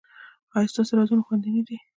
ایا ستاسو رازونه خوندي نه دي؟